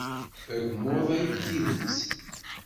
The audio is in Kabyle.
D agmuḍ ay d tidet.